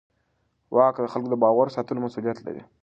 واک د خلکو د باور ساتلو مسوولیت لري.